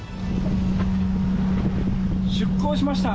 出航しました。